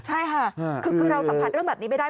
ใช่ค่ะคือเราสัมผัสเรื่องแบบนี้ไม่ได้